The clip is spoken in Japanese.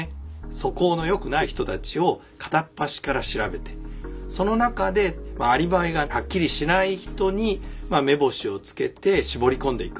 素行のよくない人たちを片っ端から調べてその中でアリバイがはっきりしない人に目星をつけて絞り込んでいく。